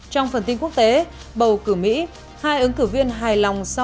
trong phần tin quốc tế bầu cử mỹ